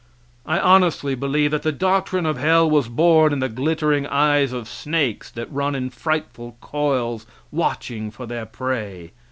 I honestly believe that the doctrine of hell was born in the glittering eyes of snakes that run in frightful coils watching for their prey.